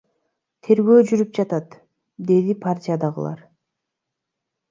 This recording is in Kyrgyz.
Тергөө жүрүп жатат, — деди партиядагылар.